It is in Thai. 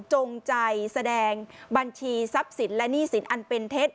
จงใจแสดงบัญชีทรัพย์สินและหนี้สินอันเป็นเท็จ